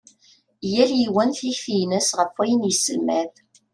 Yal yiwen tikti-ines ɣef wayen iselmad.